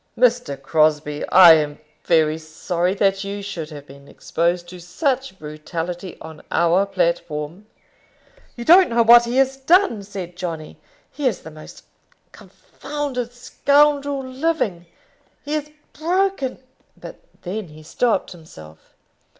"Mr. Crosbie, I am very sorry that you should have been exposed to such brutality on our platform." "You don't know what he has done," said Johnny. "He is the most confounded scoundrel living. He has broken " But then he stopped himself.